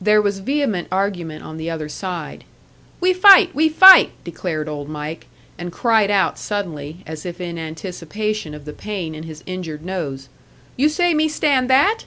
There was vehement argument on the other side. "We fight! We fight!" declared Old Mike, and cried out suddenly, as if in anticipation of the pain in his injured nose. "You say me stand that?"